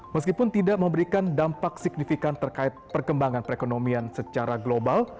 meskipun tidak memberikan dampak signifikan terkait perkembangan perekonomian secara global